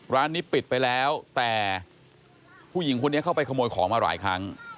ร้านนี้ปิดไปแล้วแต่ผู้หญิงคนนี้เข้าไปขโมยของมาหลายครั้ง